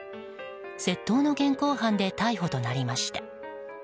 窃盗の現行犯で逮捕となりました。